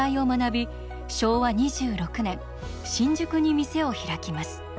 昭和２６年新宿に店を開きます。